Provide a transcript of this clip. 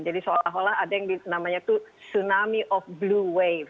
jadi seolah olah ada yang namanya tsunami of blue wave